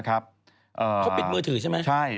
เขาปิดมือถือใช่ไหม